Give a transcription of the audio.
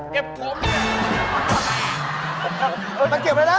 เก็บผม